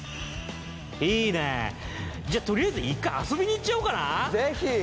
いいねじゃあとりあえず一回遊びに行っちゃおうかなぜひ！